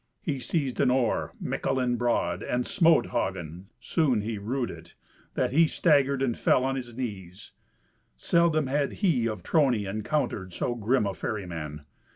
He seized an oar, mickle and broad, and smote Hagen (soon he rued it), that he staggered and fell on his knees. Seldom had he of Trony encountered so grim a ferryman.